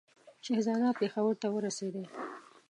شهزاده پېښور ته ورسېدی.